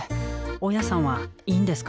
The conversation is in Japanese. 大家さんはいいんですか？